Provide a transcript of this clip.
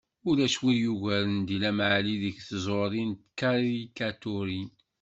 Ulac win yugaren Dilem Ɛli deg tẓuri n tkarikaturin.